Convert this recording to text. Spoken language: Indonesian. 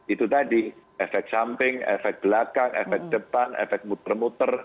itu tadi efek samping efek belakang efek depan efek muter muter